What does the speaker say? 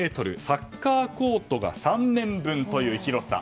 サッカーコートが３面分という広さ。